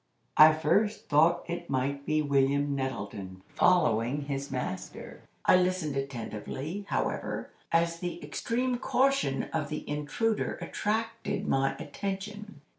I first thought it might be William Nettleton following his master. I listened attentively, however, as the extreme caution of the intruder attracted my attention.